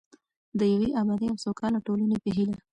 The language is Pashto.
د یوې ابادې او سوکاله ټولنې په هیله.